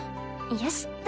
よしっと。